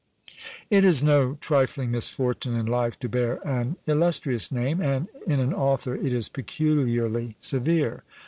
It is no trifling misfortune in life to bear an illustrious name; and in an author it is peculiarly severe.